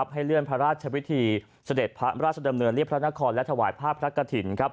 ให้เลื่อนพระราชวิธีเสด็จพระราชดำเนินเรียบพระนครและถวายภาพพระกฐิน